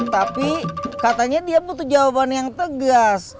tapi katanya dia butuh jawaban yang tegas